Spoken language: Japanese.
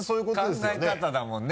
考え方だもんね